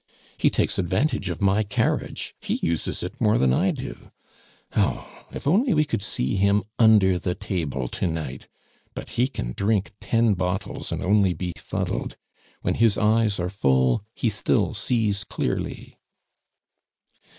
He takes advantage of my carriage; he uses it more than I do. Oh! if only we could see him under the table to night! But he can drink ten bottles and only be fuddled; when his eyes are full, he still sees clearly."